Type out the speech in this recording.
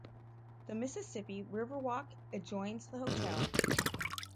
The Mississippi Riverwalk adjoins the hotel.